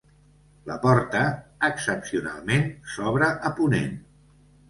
La porta, excepcionalment, s'obre a ponent.